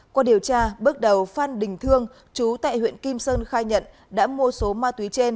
qua điều tra bước đầu phan đình thương chú tại huyện kim sơn khai nhận đã mua số ma túy trên